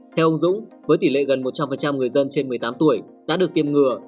theo ông dũng với tỷ lệ gần một trăm linh người dân trên một mươi tám tuổi đã được tiêm ngừa